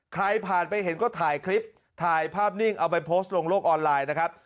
ใครผ่านไปเห็นก็ถ่ายคลิปถ่ายภาพนิ่งเอาไปโพสต์ลงโลกออนไลน์นะครับ